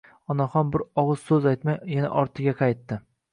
Onaxon bir ogʻiz soʻz aytmay, yana ortiga qaytdi